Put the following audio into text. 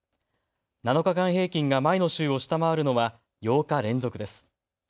７日間平均が前の週を下回るのは８日連続です。